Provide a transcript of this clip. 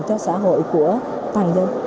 cho xã hội của toàn dân